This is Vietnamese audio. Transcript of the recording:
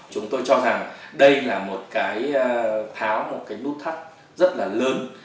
chúng tôi cho rằng đây là một cái tháo một cái nút thắt rất là lớn